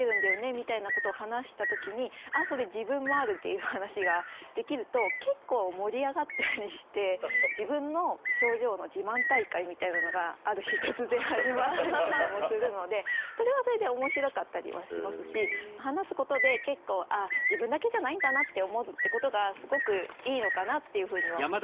みたいなことを話した時に「あっそれ自分もある」っていう話ができると結構盛り上がったりして自分の症状の自慢大会みたいなのがある日突然始まったりとかもするのでそれはそれで面白かったりはしますし話すことで結構「ああ自分だけじゃないんだな」って思うってことがすごくいいのかなっていうふうには思ったりします。